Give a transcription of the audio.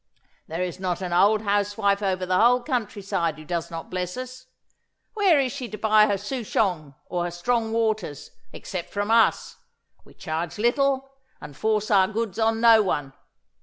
There is not an old housewife over the whole countryside who does not bless us. Where is she to buy her souchong, or her strong waters, except from us! We charge little, and force our goods on no one.